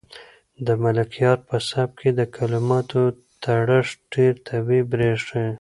د ملکیار په سبک کې د کلماتو تړښت ډېر طبیعي برېښي.